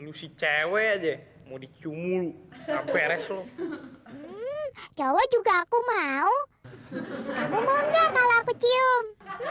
ini si cewek aja mau dicium lu beres lo cowok juga aku mau kamu mau nggak kalau aku cium